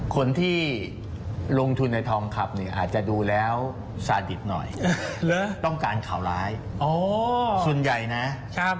คนที่ลงทุนในทองคำเนี่ยอาจจะดูแล้วสาดิตหน่อยต้องการข่าวร้ายอ๋อส่วนใหญ่นะครับ